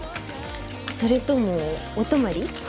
それともお泊まり？